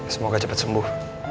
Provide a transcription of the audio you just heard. semoga cepet sembuh